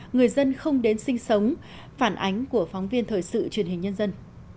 người dân không đến sinh sống phản ánh của phóng viên thời sự truyền hình nhân dân